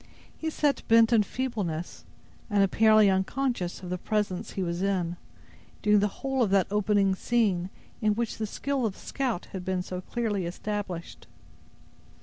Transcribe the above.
He sat bent in feebleness, and apparently unconscious of the presence he was in, during the whole of that opening scene, in which the skill of the scout had been so clearly established.